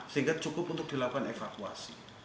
sehingga cukup untuk dilakukan evakuasi